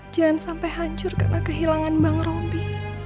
jangan sampai hancur karena kehilangan bang rompi